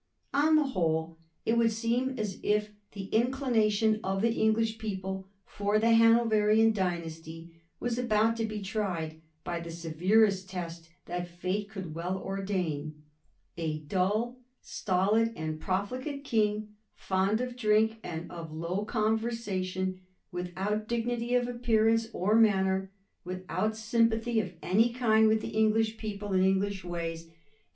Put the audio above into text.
On the whole, it would seem as if the inclination of the English people for the Hanoverian dynasty was about to be tried by the severest test that fate could well ordain. A dull, stolid, and profligate king, fond of drink and of low conversation, without dignity of appearance pr manner, without sympathy of any kind with the English people and English ways, and with Digiti zed by Google 1714 ' UNDER WHICH KING ?